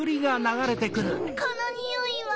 このにおいは。